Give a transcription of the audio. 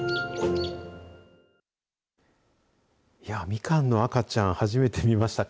みかんの赤ちゃん初めて見ました。